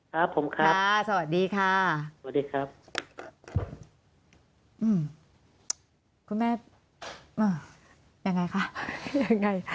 ครับผมครับค่ะสวัสดีค่ะสวัสดีครับอืมคุณแม่ยังไงคะยังไงคะ